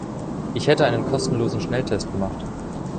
Ich hätte einen kostenlosen Schnelltest gemacht.